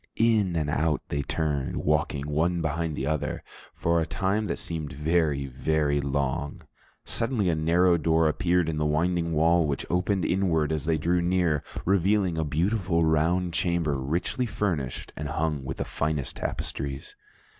In and out they turned, walking one behind the other, for a time that seemed very, very long. Suddenly a narrow door appeared in the winding wall, which opened inward as they drew near, revealing a beautiful round chamber richly furnished and hung with the finest tapestries.